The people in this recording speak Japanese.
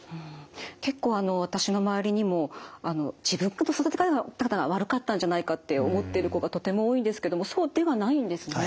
結構私の周りにも自分の育て方が悪かったんじゃないかと思ってる子がとても多いんですけれどもそうではないんですね。